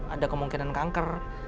ada kemungkinan kanker